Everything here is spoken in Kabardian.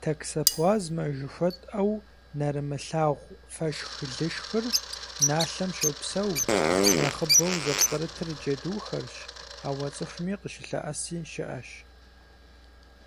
Токсоплазмэ жыхуэтӏэу нэрымылъагъу фэшх-лышхыр налъэм щопсэу, нэхъыбэу зыпкърытыр джэдухэрщ, ауэ цӏыхум къыщылъэӏэси щыӏэщ.